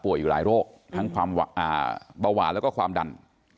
อยู่หลายโรคทั้งความเบาหวานแล้วก็ความดัน